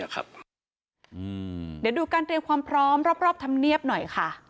เดี๋ยวดูการเตรียมความพร้อมรอบธรรมเนียบหน่อยค่ะ